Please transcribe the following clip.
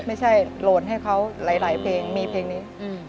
ไม่ใช่โหลดให้เขาหลายเพลงมีเพลงนี้